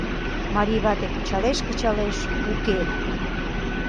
Марий вате кычалеш, кычалеш — уке.